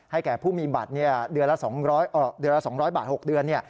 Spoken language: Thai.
ให้แก่ผู้มีบัตรเดือนละ๒๐๐บาท๖เดือน